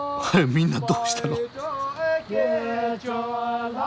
みんなどうしたの？